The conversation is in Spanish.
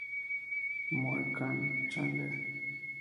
Moe Can Change!